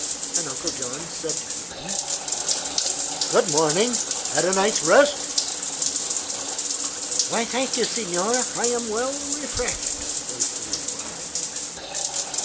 Uncle John said to him: "Good morning. Had a nice rest?" "I thank you, signore, I am well refreshed," was the reply.